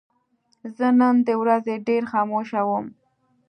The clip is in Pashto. زه نن د ورځې ډېر خاموشه وم.